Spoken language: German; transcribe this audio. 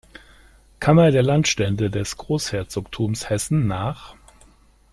Kammer der Landstände des Großherzogtums Hessen nach.